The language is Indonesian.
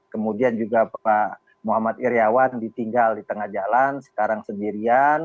kemudian juga pak muhammad iryawan ditinggal di tengah jalan sekarang sendirian